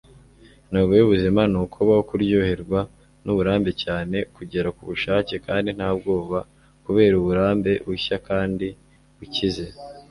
intego y'ubuzima ni ukubaho, kuryoherwa n'uburambe cyane, kugera ku bushake kandi nta bwoba kubera uburambe bushya kandi bukize